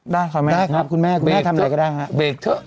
ด้าขอแม่ก่อนครับคุณแม่ทำอย่ายาก็ได้ครับต้องเบรกเถอะ